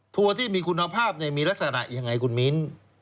ทัวร์ที่มีคุณภาพมีลักษณะอย่างไรคุณมีน